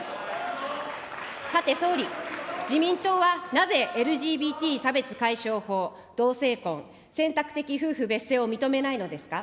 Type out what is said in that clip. さて総理、自民党はなぜＬＧＢＴ差別解消法、同性婚、選択的夫婦別姓を認めないのですか。